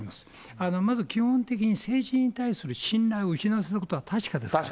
まず基本的に政治に対する信頼を失わせたことは確かです。